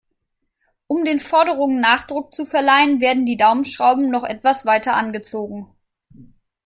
Um den Forderungen Nachdruck zu verleihen, werden die Daumenschrauben noch etwas weiter angezogen.